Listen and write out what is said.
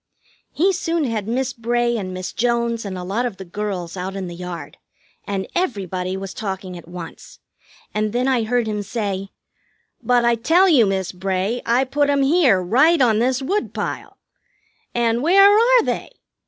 He soon had Miss Bray and Miss Jones and a lot of the girls out in the yard, and everybody was talking at once; and then I heard him say: "But I tell you, Miss Bray, I put 'em here, right on this woodpile. And where are they?